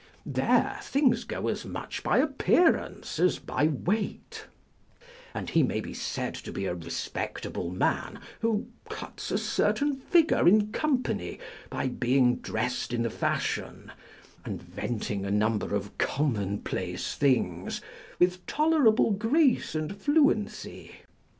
There things go as much by appearance as by weight ; and he may be said to be a respectable man who cuts a certain figure in company by being dressed in the fashion, and venting a number of commonplace things with tolerable grace and fluency.